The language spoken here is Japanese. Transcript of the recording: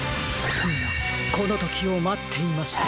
フムこのときをまっていました。